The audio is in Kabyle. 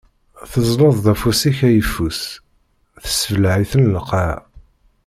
Teẓẓleḍ-d afus-ik ayeffus, tessebleɛ-iten lqaɛa.